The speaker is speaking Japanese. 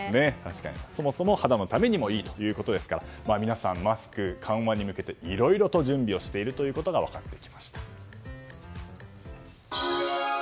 そもそも肌のためにもいいということですから皆さん、マスク緩和に向けていろいろと準備していることが分かってきました。